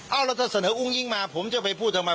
เอาแล้วถ้าเสนออุ้งอิงมาผมจะไปพูดทำไม